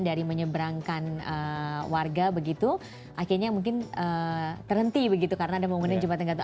dari menyeberangkan warga begitu akhirnya mungkin terhenti begitu karena ada bangunan jembatan gantung